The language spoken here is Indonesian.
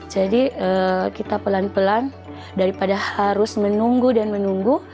jadi kita pelan pelan daripada harus menunggu dan menunggu